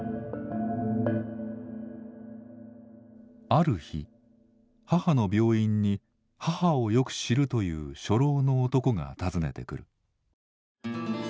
ある日母の病院に母をよく知るという初老の男が訪ねてくる。